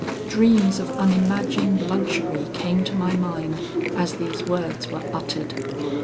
Dreams of unimagined luxury came to my mind as these words were uttered.